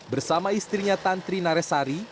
bersama istrinya tantri naresari